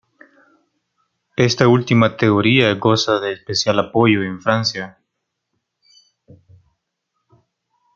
Esta última teoría goza de especial apoyo en Francia.